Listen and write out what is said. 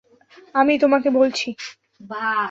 আমিই তোমাকে বলছি।